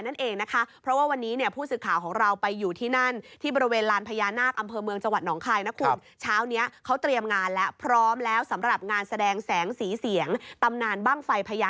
นั่นก็คือที่หนองคายนั่นเอง